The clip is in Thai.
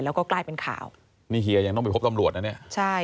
แล้วก็กลายเป็นข่าวนี่เฮียยังต้องไปพบตำรวจนะเนี่ยใช่